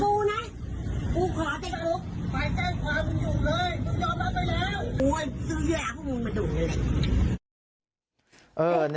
กูยอมรับไปแล้วซื้อแหละพวกมึงมาดูเลย